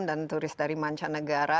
dan turis dari mancanegara